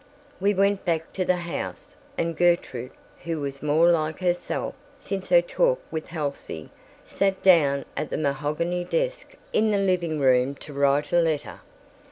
We went back to the house, and Gertrude, who was more like herself since her talk with Halsey, sat down at the mahogany desk in the living room to write a letter.